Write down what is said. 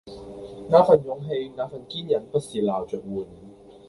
那份勇氣、那份堅忍不是鬧著玩